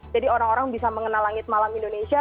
jadi orang orang bisa mengenal langit malam indonesia